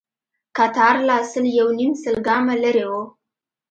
کتار لا سل يونيم سل ګامه لرې و.